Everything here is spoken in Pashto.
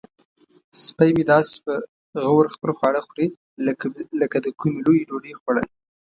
سپی مې داسې په غور خپل خواړه خوري لکه د کومې لویې ډوډۍ خوړل.